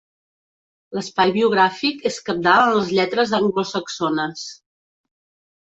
L'espai biogràfic és cabdal en les lletres anglosaxones.